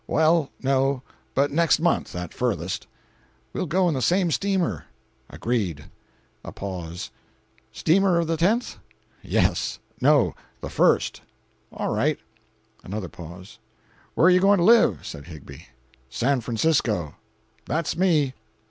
"Well—no—but next month, at furthest." "We'll go in the same steamer." "Agreed." A pause. "Steamer of the 10th?" "Yes. No, the 1st." "All right." Another pause. "Where are you going to live?" said Higbie. "San Francisco." "That's me!"